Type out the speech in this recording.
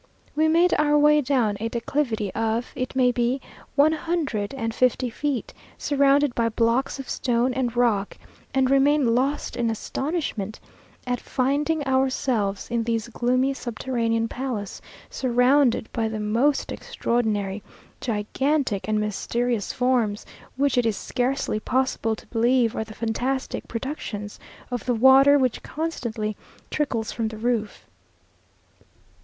We made our way down a declivity of, it may be, one hundred and fifty feet, surrounded by blocks of stone and rock, and remained lost in astonishment at finding ourselves in this gloomy subterranean palace, surrounded by the most extraordinary, gigantic, and mysterious forms, which it is scarcely possible to believe are the fantastic productions of the water which constantly trickles from the roof.